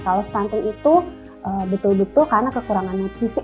kalau stunting itu betul betul karena kekurangan nutrisi